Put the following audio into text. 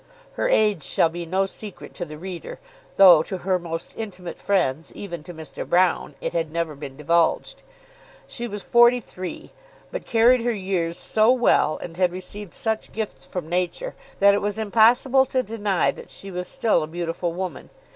Her age shall be no secret to the reader, though to her most intimate friends, even to Mr. Broune, it had never been divulged. She was forty three, but carried her years so well, and had received such gifts from nature, that it was impossible to deny that she was still a beautiful woman.